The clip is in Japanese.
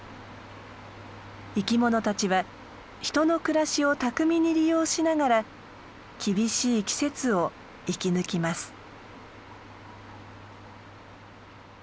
生きものたちは人の暮らしを巧みに利用しながら厳しい季節を生き抜きます。